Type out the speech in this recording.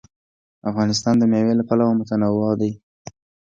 افغانستان د مېوې له پلوه متنوع دی.